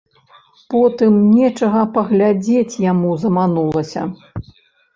Потым нечага паглядзець яму заманулася.